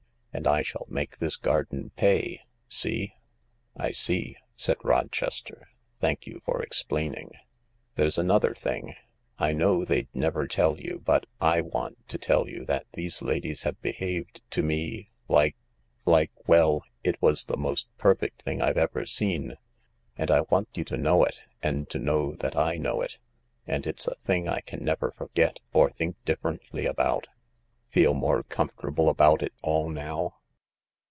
And I shall make this garden pay. See?" " I see," said Rochester. "Thank you for explaining/' "There's another thing: I know they'd never tell you, but / want to tell you that these ladies have behaved to me like ... like . well, it was the most perfect thing I've ever seen, and I want you to know it, and to know that I knowit, Andit'sa thing I can never forget or think differently about. Feel more comfortable about it all now